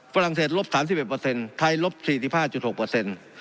ฝรั่งเศสลบสามสิบเอ็ดเปอร์เซ็นต์ไทยลบสี่สิบห้าจุดหกเปอร์เซ็นต์